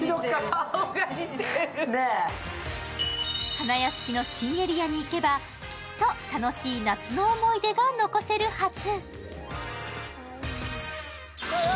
花やしきの新エリアに行けば、きっと楽しい夏の思い出が残せるはず。